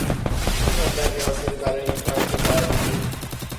چه مبلغی حاضری برای این فرش بپردازی؟